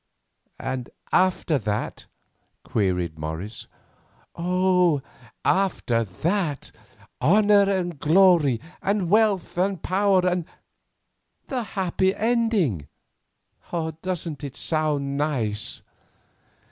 "And after that?" queried Morris. "Oh, after that, honour and glory and wealth and power and—the happy ending. Doesn't it sound nice?"